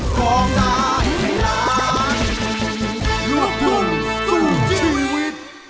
โปรดติดตามตอนต่อไป